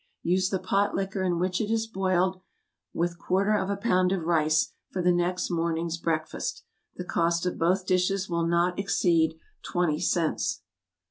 Use the pot liquor in which it was boiled, with quarter of a pound of rice, for the next morning's breakfast. The cost of both dishes will not exceed twenty cents.